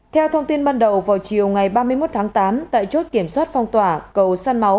theo thông tin ban đầu vào chiều ngày ba mươi một tháng tám tại chốt kiểm soát phong tỏa cầu săn máu